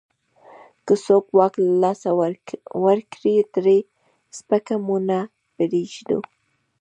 که څوک واک له لاسه ورکړي، ترې سپکه مو نه پرېږدو.